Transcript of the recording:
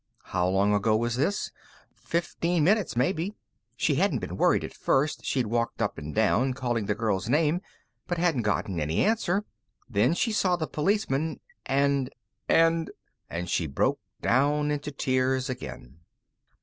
How long ago was this? Fifteen minutes, maybe. She hadn't been worried at first; she'd walked up and down, calling the girl's name, but hadn't gotten any answer. Then she saw the policeman, and ... and And she broke down into tears again.